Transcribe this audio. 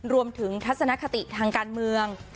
รวมถึงทัศนคติทางการเมือง